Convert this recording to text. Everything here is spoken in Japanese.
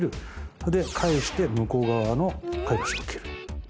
それで返して向こう側の貝柱を切る。